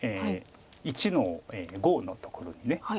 １の五のところにオキで。